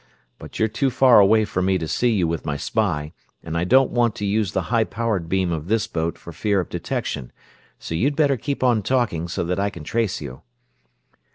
But you're too far away for me to see you with my spy, and I don't want to use the high powered beam of this boat for fear of detection; so you'd better keep on talking, so that I can trace you."